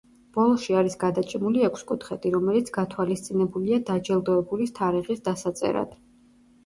ბოლოში არის გადაჭიმული ექვსკუთხედი, რომელიც გათვალისწინებულია დაჯილდოების თარიღის დასაწერად.